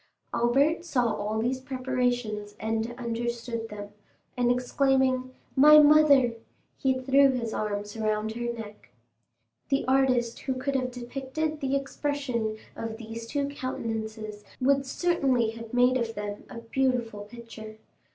Albert saw all these preparations and understood them, and exclaiming, "My mother!" he threw his arms around her neck. The artist who could have depicted the expression of these two countenances would certainly have made of them a beautiful picture.